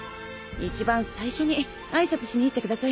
一番最初に挨拶しに行ってください。